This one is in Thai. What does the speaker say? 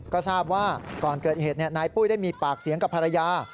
ก็ทราบว่าก่อนเกิดเหตุนายปุ้ยได้มีปากเสียงกับภรรยา